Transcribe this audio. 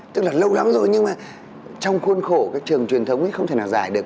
tức là lâu lắm rồi nhưng mà trong khuôn khổ các trường truyền thống thì không thể nào giải được